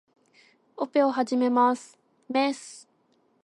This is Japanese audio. オペを始めます。メス